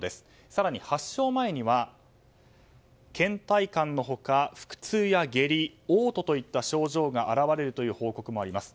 更に発症前には倦怠感の他、腹痛や下痢嘔吐といった症状が表れるという報告もあります。